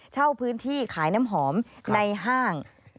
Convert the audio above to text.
เช่าพื้นที่ขายน้ำหอมในห้าง